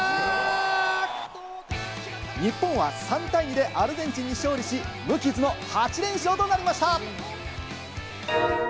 日本は３対２でアルゼンチンに勝利し、無傷の８連勝となりました！